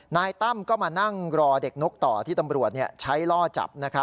นายตั้มก็มานั่งรอเด็กนกต่อที่ตำรวจใช้ล่อจับ